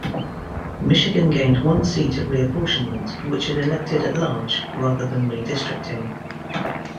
Michigan gained one seat at reapportionment, which it elected at-large rather than redistricting.